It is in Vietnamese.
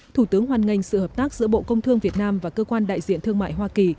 thủ tướng hoan nghênh sự hợp tác giữa bộ công thương việt nam và cơ quan đại diện thương mại hoa kỳ